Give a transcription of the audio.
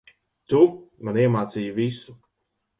Tu, man iemācīji visu.